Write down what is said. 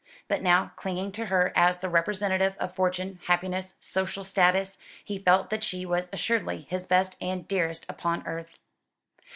But now, clinging to her as the representative of fortune, happiness, social status, he felt that she was assuredly his best and dearest upon earth.